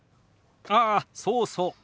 ああそうそう。